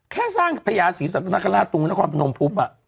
แค่สร้างพญาศีสัตว์นักฆราชตรงนักความนมทุบ